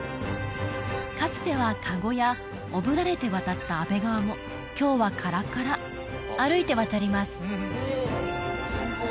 かつてはかごやおぶられて渡った安倍川も今日はカラカラ歩いて渡ります